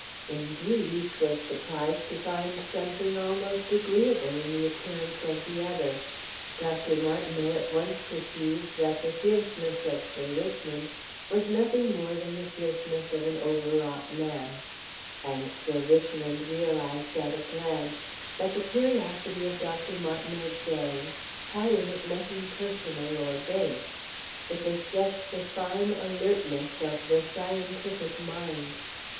Indeed each was surprised to find something almost agreeable in the appearance of the other. Dr. Martineau at once perceived that the fierceness of Sir Richmond was nothing more than the fierceness of an overwrought man, and Sir Richmond realized at a glance that the curiosity of Dr. Martineau's bearing had in it nothing personal or base; it was just the fine alertness of the scientific mind.